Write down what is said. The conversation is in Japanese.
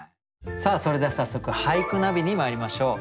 さあそれでは早速「俳句ナビ」にまいりましょう。